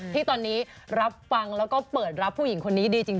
ที่ตอนนี้รับฟังแล้วก็เปิดรับผู้หญิงคนนี้ดีจริง